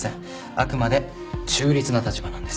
あくまで中立な立場なんです。